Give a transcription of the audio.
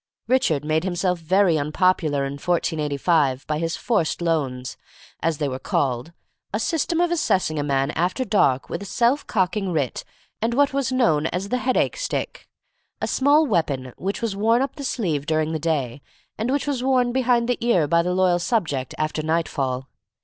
Richard made himself very unpopular in 1485 by his forced loans, as they were called: a system of assessing a man after dark with a self cocking writ and what was known as the headache stick, a small weapon which was worn up the sleeve during the day, and which was worn behind the ear by the loyal subject after nightfall.